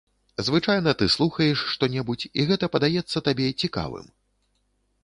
Звычайна ты слухаеш што-небудзь, і гэта падаецца табе цікавым.